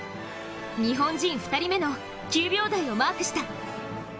日本人２人目の９秒台をマークした。